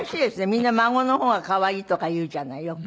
みんな孫の方が可愛いとか言うじゃないよく。